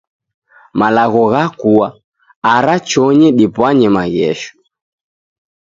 Malagho ghakua. Ara chonyi dipwanye maghesho.